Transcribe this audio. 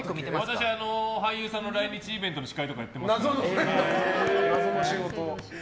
私俳優さんの来日イベントの司会とかやってます。